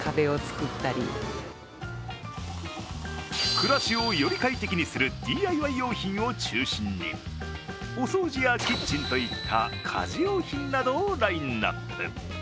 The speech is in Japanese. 暮らしをより快適にするＤＩＹ用品を中心にお掃除やキッチンといった家事用品などをラインナップ。